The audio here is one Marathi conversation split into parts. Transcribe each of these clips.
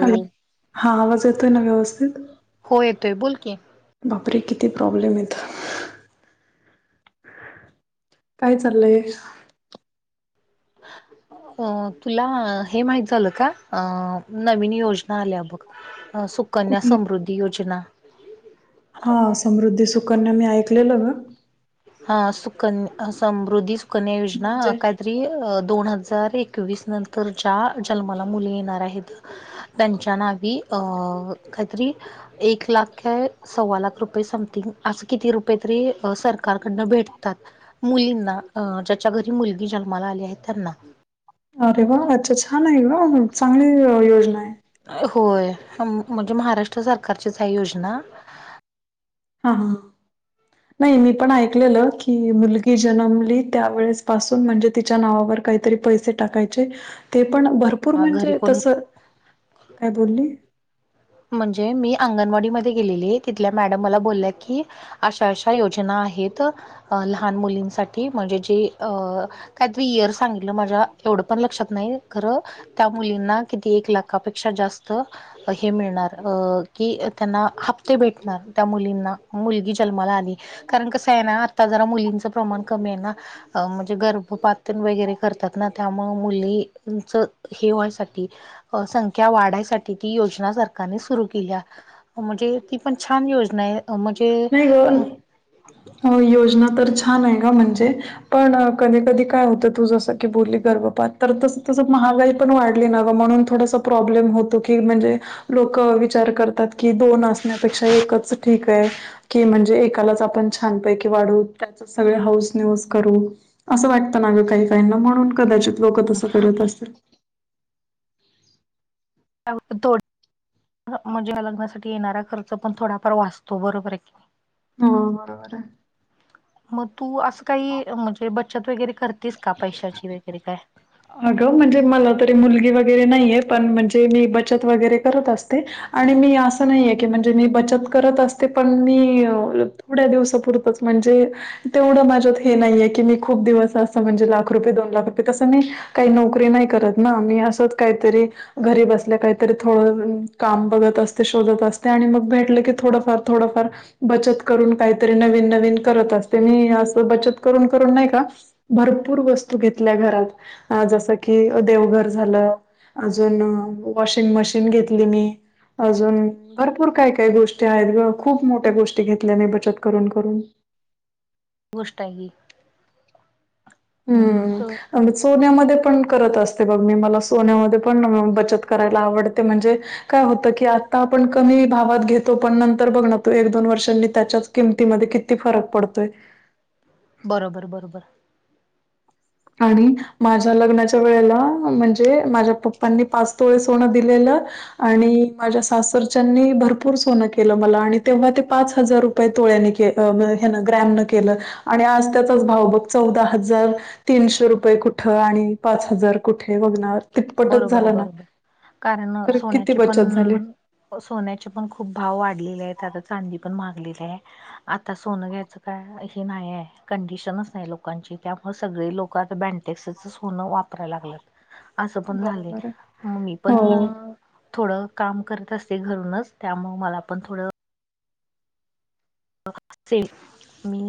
हॅलो हा आवाज येतोय ना व्यवस्थित. हो येतोय बोल की, बापरे किती प्रॉब्लेम येत. काय चाललंय. ह [unintelligible] अ तुला हे माहित झालं का अ नवीन योजना आल्या बघ. अ सुकन्या कुठली समृद्धी योजना. हा समृद्धी सुकन्या मी ऐकलेलं ग. हा सुकन्या समृद्धी सुकन्या योजना म्हणजे कायतरी दोन हजार एकवीस नंतर ज्या जन्माला मुली येणार आहेत त्यांच्या नावी अ काहीतरी एक लाख का सव्वा लाख रुपये समथिंग अस किती रुपये तरी सरकार सडन भेटतात मुलींना ज्याच्या घरी मुलगी जन्माला आली आहे त्यांना अरे वा अच्छा छान आहे ग चांगली योजना आहे होय म्हणजे महाराष्ट्र सरकारचीच आहे योजना हा हा नाही मी पण ऐकलेलं की मुलगी जन्मली त्यावेेळेस पासून म्हणजे तिच्या नावावर काहीतरी पैसे टाकायचे ते पण भरपूर घरी म्हणजे कोण तस काय बोलली म्हणजे मी अंगणवाडी ममध्ये गेलेली तिथल्या मॅडम मला बोलल्या की अशा अशा योजना आहेत लहान मुलींसाठी म्हणजे जे अ काय तरी इयर सांगितलं माझ्या एवढं पण लक्षात नाही खरं त्या मुलींना किती एक लाखापेक्षा जास्त हे मिळणार की त्यांना हप्ते भेटणार त्या मुलींना मुलगी जन्माला आली कारण कसं आहे ना आता जरा मुलींचं प्रमाण कमी आहे ना अ म्हणजे गर्भपातन वगैरे करतात ना त्यामु मुलीच हेवायसाठी संख्या वाढायसाठी ती योज सरकार सुर के म्हणजे ती पण छान योजना म्हणजे नाही ग योजना तर छान आहे का म्हणजे पण कधी कधी काय होतं तू जस की बोलली गर्भपात तर तस तस महागाई पण वाढली न गं म्हणून थोडासा प्रॉब्लेम होतो की म्हणजे लोक विचार करतात की दोन असण्यापेक्षा एकच ठीक आहे की म्हणजे एकालाच आपण छानपैकी वाढू त्याच सगळे हौस न्यूज करू असं वाटतं ना ग काही काहीना म्हणून कदाचित लोक त असं करत असल थो म्हणजे या लग्नासाठी येणारा खर्च पण थोडाफार वाचतो बरोबर आहे नाही? हा बरोबर आहे मग तू असं काही म्हणजे बचत वगैरे करतेस का पैशाची वगैरे काय अगं म्हणजे मला तरी मुलगी वगैरे नाहीये पण म्हणजे मी बचत वगैरे करत असते आणि मी असं नाही आहे की म्हणजे मी बचत करत असते पण मी थढ्या दिवसापुरतंच म्हणजे तेवढं माझ्यात हे नाहीये की मी खूप दिवस असं म्हणजे लाख रुपये दोन लाख रुपये तसं मी काही नोकरी नाही करत ना आही असत काहीतरी घरी बसल्या काहीतरी थोडं काम बघत असते शोधत असते आणि मग भेटलं की थोडंफार थोडंफार बचत करून काहीतरी नवीन नवीन करत असते मी असं बचत करून करून नाही का भरपूर वस्तू घेतल्या घरात जसं की देवघर झालं अजून वॉशिंग मशीन घेतली मी अजून भरपूर काय काय गोष्टी आहेत ग खूप मोठ्या गोष्टी घेतल्या मी बचत करून करून गोष्टष्ट आहेग हम्म सोन्यामध्ये पण करत असतो बघ मी मला सोन्यामध्ये पण बचत करायला आवडते म्हणजे काय होतं की आता आपण कमी भावात घेतो पण नंतर बघण तो एक दोन वर्षांनी त्याच्याच किमतीमध्ये किती फरक पडतोय बरोबर बरोबर आणि माझ्या लग्नाच्या वेळेला म्हणजे माझ्या पप्पांनी पाचतोळे सोनं दिलेलं आणि माझ्या सासरच्यानी भरपूर सोनं केलं मला आणि तेव्हा ते पाच हजार रुप तोळनी ग्रॅम न केलं आणि आज त्याचाच भाव बघ चौदा हजार तीनशे रुपये कुठं आणि पाच हजार कुठे बघणार बरोबर बरोबर कारण तर किती सोन्याची पण बचत झाली. सोन्याचे पण खूप भाव वाढलेले आहेत आता चांदी पण मागलेली आहे आता सोनं घ्यायचं काय हे नाही आहे कंडिशनच नाही लोकांची त्यामुळे सगळे लोक आता बँ टक्सच सोनं वापरायला लागलंत असं पण झाले बरोबर आहे. म मी हो. पण थोडं काम करत असते घरूनच त्यामुळ मला पण थोडं अस मी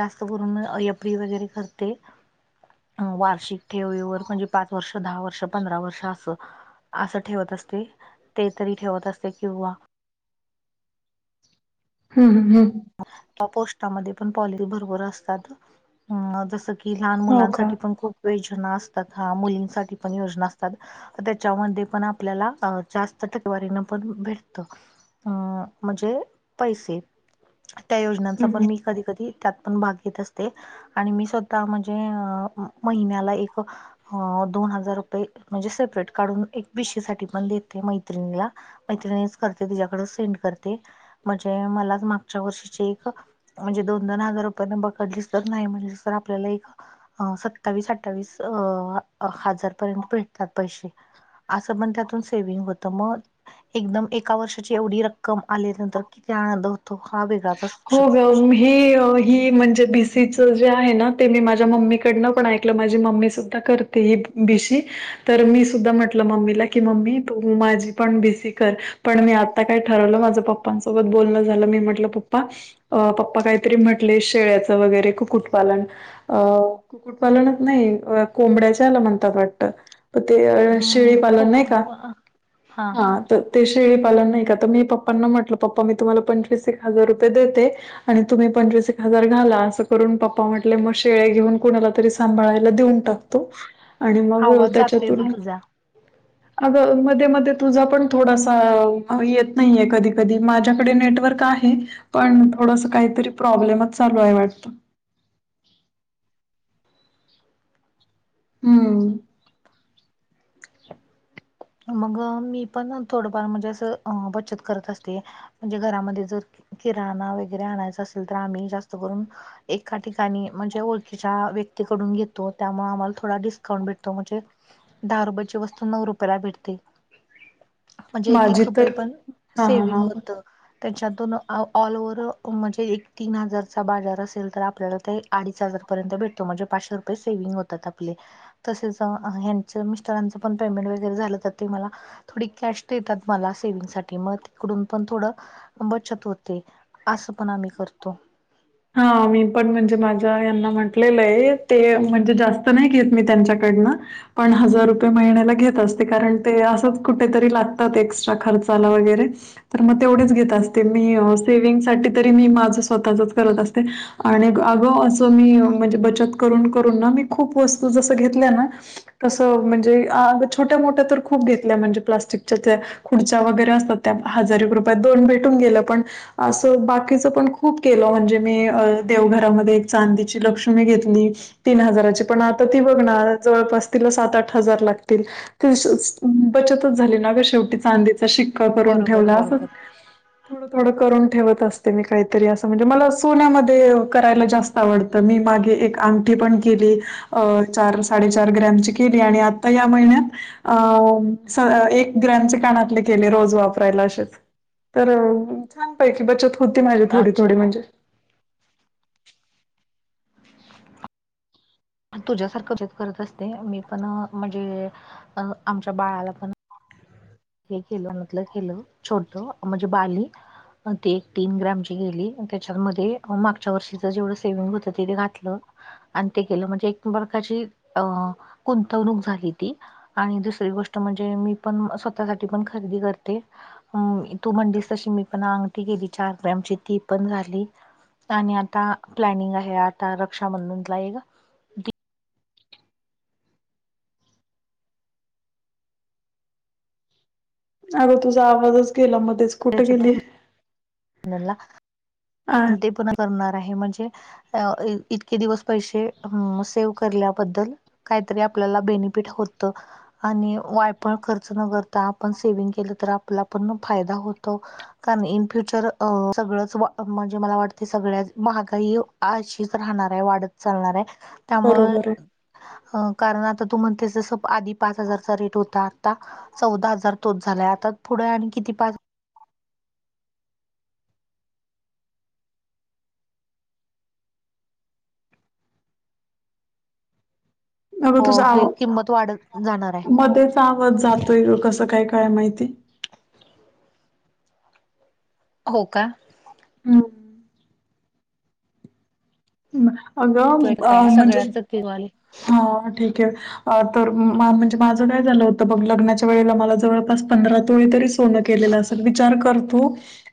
जास्त करून यपरी वगैरे करते वार्षिक ठेववर म्हणजे पाच वर्ष दहा वर्ष पंधरा वर्ष असं असं ठेवत असते ते तरी ठेवत असते किंवा हम ह हम त्या पोस्टामध्ये पण पॉलिसी भर असतात जस की की लहान हो का? मुलांसाठी पण खूप योजना असतात ह मुलींसाठी पण योजना असतात त्याच्यामध्ये पण आपल्याला जास्त टकेवारीन पण भेटत अ म्हणजे पैसे त्या योजनांचा हं, हं. पण मी कधी कधी त्यात पण भाग येत असते आणि मी स्वतः म्हणजे महिन्याला एक दोन हजार रुपये म्हणजे सेपरेट काढून एक बीशीसाठी पण देते मैत्रिणीला मै्रि कर तकड सेंड करते म्हणजे मला मा च्या वर्षीची एक म्हणजे दोन दोन हजार रुपयाने बकडली तर नाही म्हणजे तर आपल्याला एक अ सत्तावीस अठ्ठावीस अ हजार पर्यंत भेटतात पैसे असं पण त्यातून सेव्हंग होतं मग एकदम एका वर्षाची एवढी रक्कम आल्या नंतर किती आनंद होतो हा वेगळाच असू हो शकतो ग ही ही म्हणजे बीसीच जे आहे ना ते मी माझ्या मम्मीकडन पण ऐकलं माझी मम्मी सुद्धा करते ते बी सी तर मी सुद्धा म्हटलं मम्मीला की मम्मी तू माझी पण बीसी कर पण मी आता काय ठरवलं माझं पप्पांसोबत बोलण झालंी म्हटलं प् पप्पा काहीतरी म्हटले शेळ्याच वगैरे कुक्कुटपालन अ नाही कोबड्या म्हणतात वा चिळी हम्म पालन खूप नाही काा कुटुंब हा ते शेळीपालन नाही का तर मी पप्पांना म्हटलं पप्पा मी तुम्हाला पंचवीस एक हजार रुपये देते आणि तुम्ही पंचवीस एक हजार घाला असं करून पप्पा म्हटले मग शेळ घेऊन कुणाला तरी सांला देऊन टाकतो आणि मग त्याच्यातून ह अग मध्ये मध्ये तुझा पण थोडासा येत नाहीये कधी कधी माझ्याकडे नेटवर्क का पण थोडस काहीतरी प्रॉब्लेमच चालू आहे वाटतं हम्म मग मी पण थोडंफार म्हणजे असं बचत करत असते म्हणजे घरामध्ये जर किराणा वगैरे आणायचा असेल तर आम्ही जास्त करून एका ठिकाणी म्हणजे ओळखीच्या व्यक्तीकडून घेतो त्यामुळे आम्हाला थोडा डिस्काउंट भेटतो म्हणजे दहा रुपयाची वस्तू नऊ रुपयाला भेटते म्हणजे एक माझी एक रुपये तर पण हा हा सेविंग हा होत त्याच्यातून ऑल ओवर्ह म्हणजे एक तीन हजारचा बाजार असेल तर आपल्याला ते अडीच हजारपर्यंत भेटतो म्हणजे पाचशे रुपये सेव्हिंग होतात आपले तसेच हचं मिस्टरांचं पण पेमेंट व झा तर ते मला थोडी कॅश देतात मला सेव साठी मग तिकडून पण थोड बचत होते असं पण आम्ही करतो हा मी पण म्हणजे माझ्या यांना म्हटलेलं आहे ते म्हणजे जास्त नाही घेत मी त्यांच्याकडनं पण हजार रुपये महिन्याला घेत असते कारण ते असंच कुठेतरी लागतात एक्स्ट्रा खर्चाला वगैरे तर मग तेवढेच घेत असते मी सेवि्हंग साठी तरी मी माझं स्वतःचच करत असते आणि अगं असं मी म्हणजे बचत करून करून ना मी खूप वस्तू जसं घेतल्या ना तसं म्हणजे छोट्या मोठ्या तर खूप घेतल्या म्हणजे प्लास्टिकच्या त्या खुर्च्या वगैरे असतात त्या हजार रुपया दोन भेटून गेलं पण असं बाकीच पण खूप केलं म्हणजे े मी देवघरामध्ये एक चांदीची लक्ष्मी घेतली तीन हजाराची पण आता ती बघणार जवळपास तिला सात आठ हजार लागतील ते बचतच झाले ना अगर शेवटी चांदीचा शिक ठड बरोबर बरोबर. थड ठत अस मी का अस म्हणजे म सोन्यामध्ये करायला जास्त आवडतं मी मागे एक अंगठी पण केली अ चार साडेचार ग्रॅमची केली आणि आता या महिन्यात अं एक ग्रॅचे कानातले केले रोज वापरायला असेच तर छानपैकी बचत होती माझी थोडी अच्छा थोडी म्हणजे तुझ्यासारखंत करत असते मी पण म्हणजे आमच्या बाळाला पण हे केलं म्हटलं केलं छोट म्हणजे बाली ते एक तीन ग्रॅमची गेली त्याच्यामध्ये मागच्या वर्षीच जेवढं सेवि्हंग होतं तेिथे घातलं आणि ते गेलं म्हणजे एक प्रकाची अ गुंतवणूक झाली ती आणि दुसरी गोष्ट म्हणजे मी पण स्वतःसाठी पण खरेदी करते हम तू म्हणलीस तशी मी पण अंगठी गेली चार ग्रॅमची ती पण झाली आणि आता प्लॅनिंग आहे आता रक्षाबंधनचा एक अगं तुझा आवाजच गेला मध्येच कुठे गेली त्याच्यातून हा ते पन करणार आहे म्हणजे अ इतके दिवस पैसे सेव्ह करल्याबद्दल काहीतरी आपल्याला बेनिफिट होतं आणि वायपण खर्च न करता आपण सेवि्हंग केलं तर आपला पण फायदा होतो कारण इन फ्यूचर अ सगळंच म्हणजे मला वाटतं सगळ्या महागाई अशीच राहणार आहे वाढत चालणार आहे त्यामुळे बरोबर कारण आता तू म्हणतेसस आधी पाच हजारचा रेट होता आता चौदा हजार तोच झाला आता पुढे आणि किती पा अग तुझ आव हे किंमत वाढत जाणार आहे मध्येच आवाज जातोय कसं काय काय माहिती हो का हम अग म्हणजे वाले हा ठीक आहे तर म्हणजे माझं काय झालं होतं ब लग्नाच्या वेळेला मला जवळपास पंधरा तोळी तरी सो के असेल विचार करतू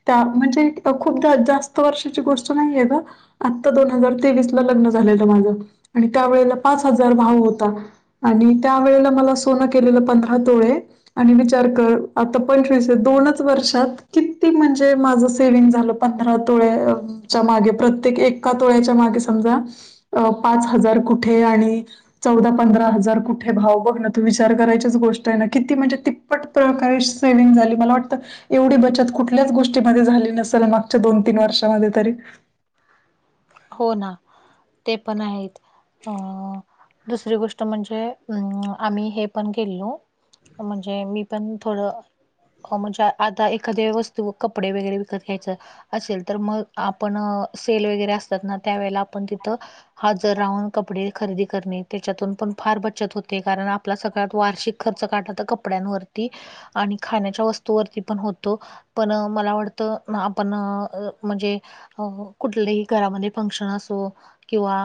त्या म्हणजे खूपदा जास्त वर्षाची गोष्ट नाहीये ग आत्ता दोन हजार तेवीस ला लग्न झालेलं माझं आणि त्यावेेळेला पाच हजार भाव होता आणि त्यावेेळेला मला सोनं केलेलं पंधरा तोळे आणि विचार कर आता पंचवीस दोनच वर्षात किती म्हणजे माझं सेव्हंग झालं पंधरा तोळ्याच्या मागे प्रत्येक एका तोळ्याच्या मागे समजा अ पाच हजार कुठे आणि चौदा पंधरा हजार कुठे भाव बघण तू विचार करायचीच गोष्ट आहे ना किती म्हणजे त पटकन काही सेव्हंग झालीं मलां असं वाटतं एवढी बचंत कुठल्यांच गोष्टींमध्ये झालीं नसेल मागच्यां दोन तीन वर्षांमध्ये तरी हो नां ते पणं आहेतं अ दुसरी गोष्ट म्हणजे आम्हीं हे पणं केलो म्हणजे मी पणं थोडं ओपचार आतां एखाद्या वस्तूं कपंडे वगैरें विकतं घ्यांयचं असेल तरं मंग आपणं सेल वगैरें असतांत नां त्यावेेळेला आपणं तिथं हजर राहून कपंडे खरेदी करणे त्यांच्यातून पणं फार बचंत होतें कारणं आपला सगळ्यांत वार्षिक खर्च काढलातर कपड्यांवरती आणि खाण्यांच्यां वस्तूंवरती पणं होतों पणं मलां वाटतं नां आपणं म्हणजे अ कुठली घरांमध्ये फंक्शन असो किंवा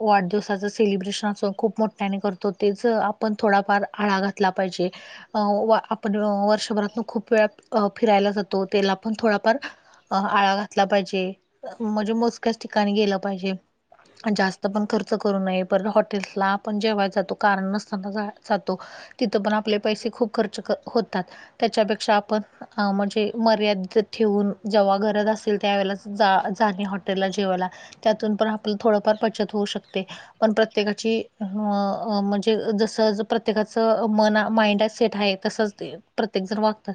वाढदिवसांच सेलिब्रेशन असं खूंप मोठ्यांने करतों तेचं पणं थोडाफार आळां घातलां पाहिजे आपणं वर्षभरातन खूंप वेळां फिरायलां जातो त्यांला पणं थोडाफार आळां घातलां पाहिजे म्हणजे एकचं ठिकाणीं गेलं पाहिजे जास्तं पणं खर्च करूं नये पणं हॉटेल्सला पणं जेवायला जातो कारणं नसतांना जातो तिथं पणं आपले पैसे खूंप खर्च होतांत त्यांच्यापेक्षा आपणं अ म्हणजे मर्यादित ठेवूंन जेंव्हा गरज असेल त्यावेेळेला जा जाणें जेवायलां त्यांतून पणं आपलं थोडंफार बचंत होऊ शकते पणं प्रत्येकांची म्हणजे जसं प्रत्येकांचं मंन माइंड सेंट आहेतं तसंच प्रत्येक जणं वागतं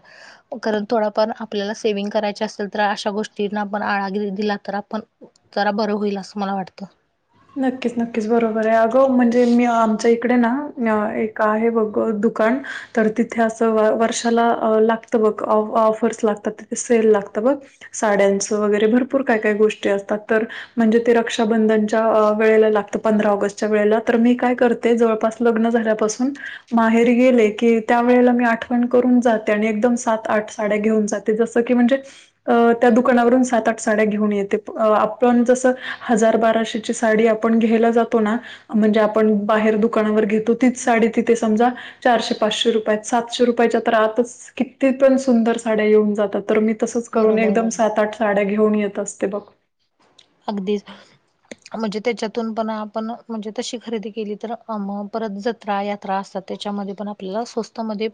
कारणं थोडाफार आपल्यांला सेवि्हंग करांयचे असेल तरं अश्यां गोष्टींना आपणं आळाजरी दिला तरं आपणं जरां बरं होईल असं मलां वाटतं नक्कीचं नक्कीचं बरोबर आहे अगं म्हणजे मी आमच्यां इकडे ना एक आहे बघं दुकानं तरं तिथे असं वर्षाला लागतं बघ ऑफर्स लागतांत तिथे सेल लागतं बघ साड्यांचं वगैरे भरंपूर कायं कायं गोष्टी असतांत तरं म्हणजे ते रक्षाबंधनाच्या वेळेलां लागतं पंधरा ऑगस्ट वेळेलां तरं मी कायं करतें जवळपांस लग्नं झाल्यांपांसून माहेर गेले की त्यांवेेळेला मी आठवणं करूंन जाते आणि एकदंम सात आठ साड्यां घेऊन जाते जसं की म्हणजे अ त्यां दुकांनावरून सात आठ साड्यां घेऊन येते आपणं जसं हजार बाराशे जी सांडी आपणं घ्यांयला जातो नां म्हणजे आपणं बाहेर दुकानांवर घेतों तीचं सांडी तिथे समंजा चारशे पाचशे रुपयांत सातशे रुपयांच्या तरं आताचं किती पणं सुंदर साड्यां येऊंन जातांत तरं मी तसंच करूंन बरोबर एकदंम बरोबर सात आठ साड्यां घेऊन येतं असतें बघ अगदीं म्हणजे त्यांच्यातून पणं आपणं म्हणजे तशी खरेदी केली तरं परत जत्रां यांत्रां असतांत त्यांच्यामध्ये पणं आपल्यांला स्वस्थ मध्ये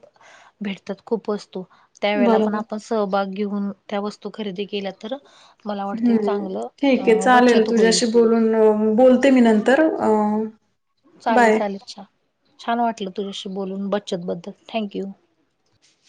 भेटतांत खूंप वस्तूं त्यां वेळेलां पणं बरोबर. आपणं सहभांग घेऊन त्यां वस्तूं खरेदी केल्यां तरं मलां वाटतें हं. चांगलं ठीक आहे अ चालेल बचत होईल तुझ्यांशी बोलून बोलते मी नंतर अ चालेल बाय. चालेल छ छांन वाटलं तुझ्यांशी बोलून बचंत बद्दल थँक्यू